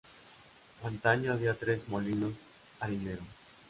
Antaño había tres molinos harineros.